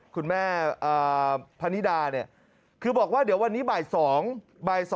คุณแม่พณีราภรรณ์คือบอกว่าเดี๋ยววันนี้บ่อย๒